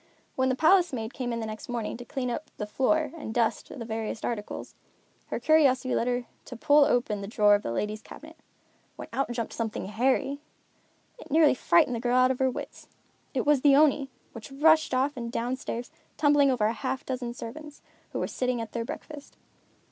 When the palace maid came in next morning to clean up the floor and dust the various articles, her curiosity led her to pull open the drawer of the ladies' cabinet; when out jumped something hairy. It nearly frightened the girl out of her wits. It was the Oni, which rushed off and down stairs, tumbling over a half dozen servants, who were sitting at their breakfast.